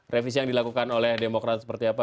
revisi yang dilakukan oleh demokrat seperti apa